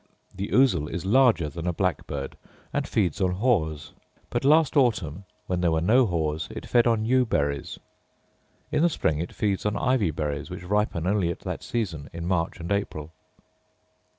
The ousel is larger than a blackbird, and feeds on haws; but last autumn (when there were no haws) it fed on yew berries: in the spring it feeds on ivy berries, which ripen only at that season, in March and April.